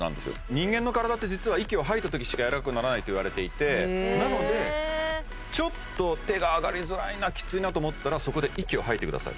人間の体って実は息を吐いてるときしかやわらかくならないといわれていてなのでちょっと手が上がりづらいなきついなと思ったらそこで息を吐いてください